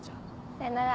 さよなら。